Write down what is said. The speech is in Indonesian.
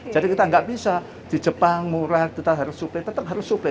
jadi kita nggak bisa di jepang murah kita harus suplai tetep harus suplai